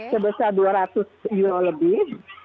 sebesar dua ratus euro lebih